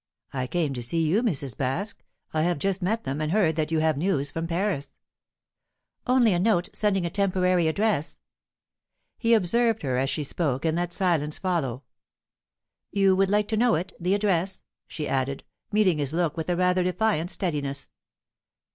"I came to see you, Mrs. Baske. I have just met them, and heard that you have news from Paris." "Only a note, sending a temporary address." He observed her as she spoke, and let silence follow. "You would like to know it the address?" she added, meeting his look with a rather defiant steadiness.